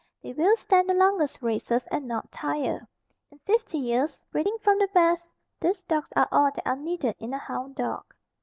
They will stand the longest races and not tire. In fifty years breeding from the best, these dogs are all that are needed in a hound dog.